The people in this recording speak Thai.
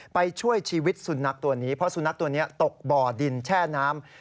ไปช่วยชีวิตสุนัขตัวนี้เพราะสุนัขตัวนี้ตกบ่อดินแช่น้ำ